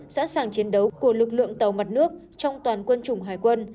sẵn sàng chiến đấu của lực lượng tàu mặt nước trong toàn quân chủng hải quân